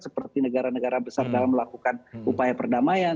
seperti negara negara besar dalam melakukan upaya perdamaian